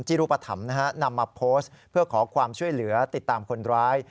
รูปธรรมนะฮะนำมาโพสต์เพื่อขอความช่วยเหลือติดตามคนร้าย